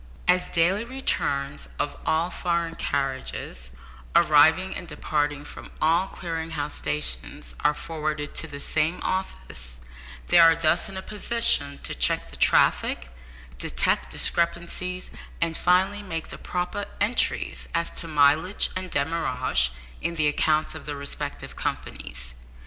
As daily returns of all "foreign" carriages arriving and departing from all Clearing House stations are forwarded to the same office, they are thus in a position to check the traffic, detect discrepancies, and finally make the proper entries as to mileage and demurrage in the accounts of the respective companies.